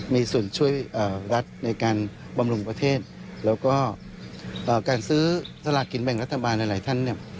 มีส่วนช่วยรัฐในการบำรุงประเทศแล้วก็การซื้อสลากกินแบ่งรัฐบาลหลายท่านเนี่ย